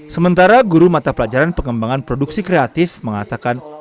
sementara guru mata pelajaran pengembangan produksi kreatif mengatakan